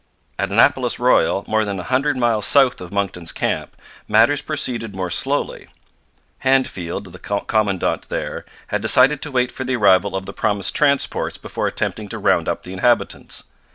At Annapolis Royal, more than a hundred miles south of Monckton's camp, matters proceeded more slowly. Handfield, the commandant there, had decided to wait for the arrival of the promised transports before attempting to round up the inhabitants.